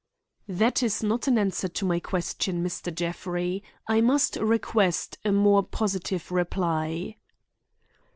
"That is not an answer to my question, Mr. Jeffrey. I must request a more positive reply."